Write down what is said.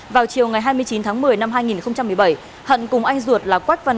vào chiều ngày hai mươi chín tháng một mươi năm hai nghìn một mươi bảy hận cùng anh ruột là quách văn